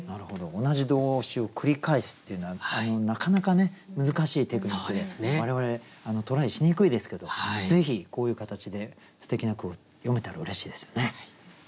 同じ動詞を繰り返すっていうのはなかなか難しいテクニックで我々トライしにくいですけどぜひこういう形ですてきな句を詠めたらうれしいですよね。